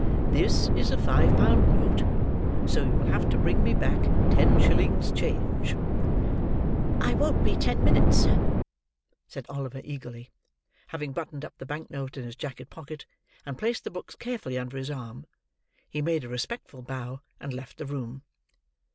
This is a five pound note, so you will have to bring me back, ten shillings change." "I won't be ten minutes, sir," said Oliver, eagerly. Having buttoned up the bank note in his jacket pocket, and placed the books carefully under his arm, he made a respectful bow, and left the room.